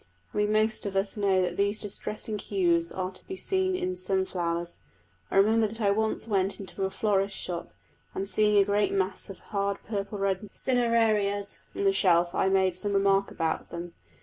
And we most of us know that these distressing hues are to be seen in some flowers. I remember that I once went into a florist's shop, and seeing a great mass of hard purple red cinerarias on a shelf I made some remark about them.